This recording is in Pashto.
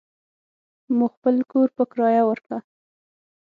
مو خپل کور په کريه وارکه.